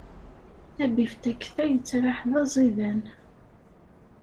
Tabiftakt-a yettraḥ d aẓidan.